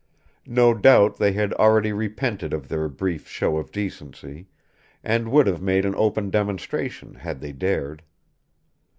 No doubt they had already repented of their brief show of decency, and would have made an open demonstration had they dared.